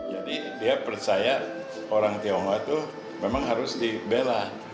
jadi dia percaya orang tionghoa itu memang harus dibela